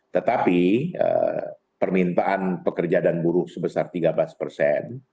tetapi permintaan pekerja dan buruh sebesar tiga belas persen